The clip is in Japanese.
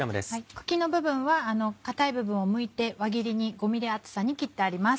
茎の部分は硬い部分をむいて輪切りに５ｍｍ厚さに切ってあります。